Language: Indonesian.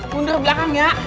mundur belakang ya